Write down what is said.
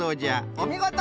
おみごと！